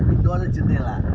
itu ada jendela